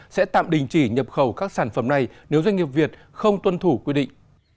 sẽ tạm đình chỉ nhập khẩu các sản phẩm này nếu doanh nghiệp việt không tuân thủ quy định